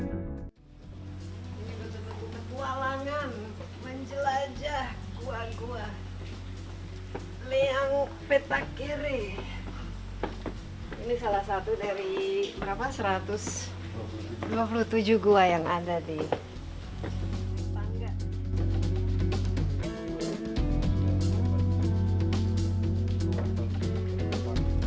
ini betul betul petualangan menjelajah gua gua